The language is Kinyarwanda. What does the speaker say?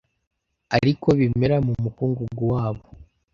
ariko bimera mu mukungugu wabo